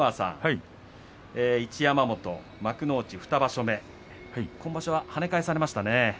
一山本、幕内２場所目今場所は、はね返されましたね。